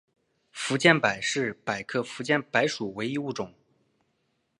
福建柏是柏科福建柏属唯一物种。